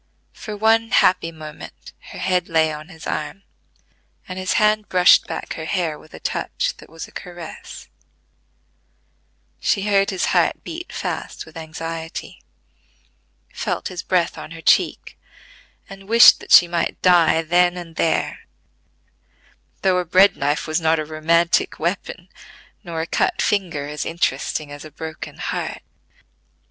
For one happy moment her head lay on his arm, and his hand brushed back her hair with a touch that was a caress: she heard his heart beat fast with anxiety; felt his breath on her cheek, and wished that she might die then and there, though a bread knife was not a romantic weapon, nor a cut finger as interesting as a broken heart.